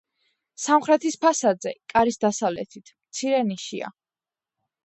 სამხრეთის ფასადზე, კარის დასავლეთით, მცირე ნიშია.